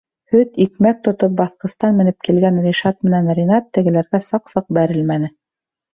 Һөт, икмәк тотоп баҫҡыстан менеп килгән Ришат менән Ринат тегеләргә саҡ-саҡ бәрелмәне.